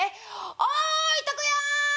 おいとくやん！